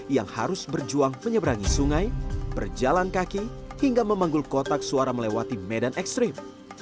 yang harus berjuang menyeberangi sungai berjalan kaki hingga memanggul kotak suara melewati medan ekstrim